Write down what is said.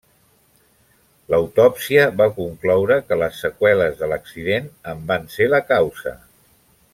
L'autòpsia va concloure que les seqüeles de l'accident en van ser la causa.